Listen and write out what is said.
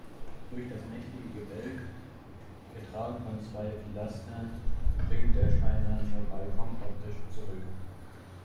Durch das mächtige Gebälk, getragen von zwei Pilastern, springt der steinerne Balkon optisch zurück.